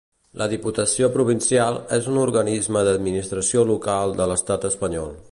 La Diputació provincial és un organisme d'administració local de l'estat espanyol.